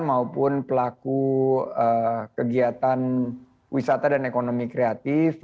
maupun pelaku kegiatan wisata dan ekonomi kreatif